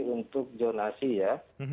untuk jurnasi ya